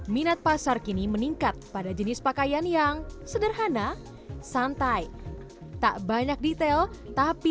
minat pasar kini meningkat pada jenis pakaian yang sederhana santai tak banyak detail tapi